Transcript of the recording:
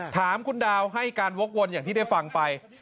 ถามคุณดาวให้การวกวนอย่างที่ได้ฟังไป